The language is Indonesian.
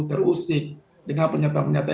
terusik dengan penyata penyataan